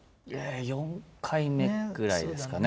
４回目ぐらいですかね。